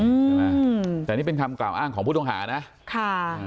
ใช่ไหมอืมแต่นี่เป็นคำกล่าวอ้างของผู้ต้องหานะค่ะ